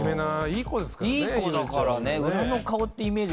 いい子だからね。